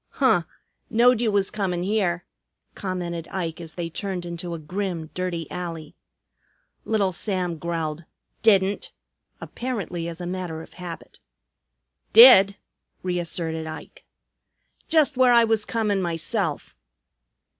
"Huh! Knowed you was comin' here," commented Ike as they turned into a grim, dirty alley. Little Sam growled, "Didn't!" apparently as a matter of habit. "Did!" reasserted Ike. "Just where I was comin' myself."